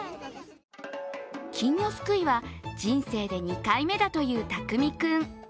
金魚すくいは人生で２回目だというたくみくん。